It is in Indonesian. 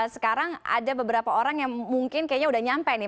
sekarang ada beberapa orang yang mungkin kayaknya udah nyampe nih